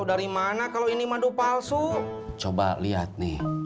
dimana ini kalau ini madu palsu coba liat nih